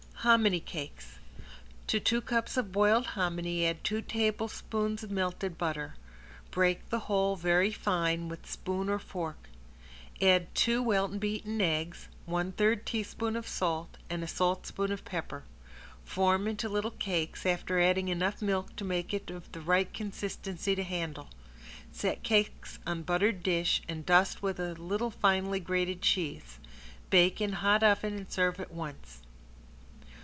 ~HOMINY CAKES~ To two cups of boiled hominy add two tablespoons of melted butter. Break the whole very fine with spoon or fork. Add two well beaten eggs, one third teaspoon of salt, and a saltspoon of pepper. Form into little cakes, after adding enough milk to make it of the right consistency to handle. Set cakes on buttered dish and dust with a little finely grated cheese. Bake in hot oven and serve at once.